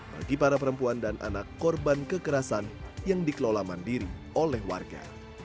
bagi para perempuan dan anak korban kekerasan yang dikelola mandiri oleh warga